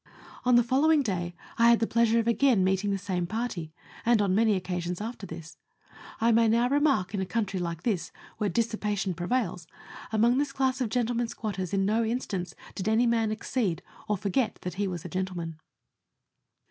On the following day I had the pleasure of again meeting the same party, and on many occasions after this. I may now remark, in a country like this, where dissipation prevails, among this class of gentlemen squatters in no instance did any man exceed, or forget that he was a gentleman.